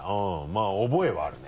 まぁ覚えはあるね。